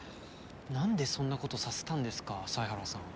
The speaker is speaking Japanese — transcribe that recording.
なんでそんなことさせたんですか犀原さん。